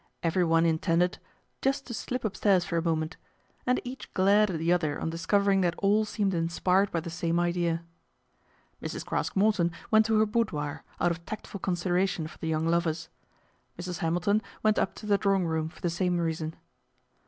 Every one intended " just to slip upstairs for a moment," and each glared at the other on discovering that all seemed inspired by the same idea. Mrs. Craske Morton went to her " boudoir " out of tactful consideration for the young lovers : Mrs. Hamilton went up to the drawing room for the same reason.